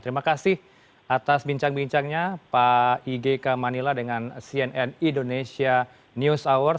terima kasih atas bincang bincangnya pak igk manila dengan cnn indonesia news hour